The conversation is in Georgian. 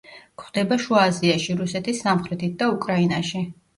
გვხვდება შუა აზიაში, რუსეთის სამხრეთით და უკრაინაში.